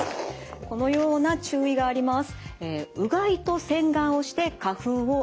このような注意があります。